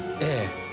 ええ。